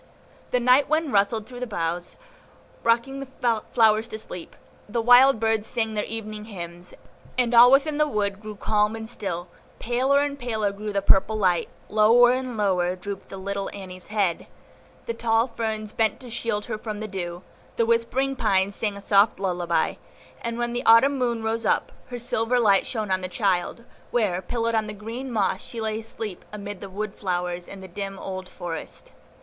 The night wind rustled through the boughs, rocking the flowers to sleep; the wild birds sang their evening hymns, and all within the wood grew calm and still; paler and paler grew the purple light, lower and lower drooped little Annie's head, the tall ferns bent to shield her from the dew, the whispering pines sang a soft lullaby; and when the Autumn moon rose up, her silver light shone on the child, where, pillowed on green moss, she lay asleep amid the wood flowers in the dim old forest.